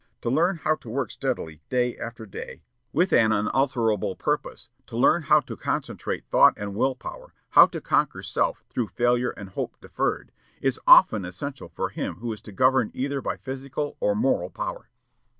To learn how to work steadily, day after day, with an unalterable purpose; to learn how to concentrate thought and will power, how to conquer self through failure and hope deferred, is often essential for him who is to govern either by physical or moral power.